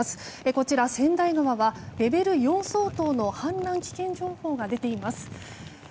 こちら、千代川はレベル４相当の氾濫危険情報が出ています。